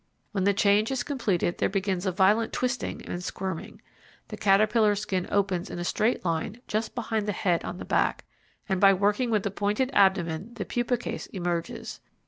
When the change is completed there begins a violent twisting and squirming. The caterpillar skin opens in a straight line just behind the head on the back, and by working with the pointed abdomen the pupa case emerges.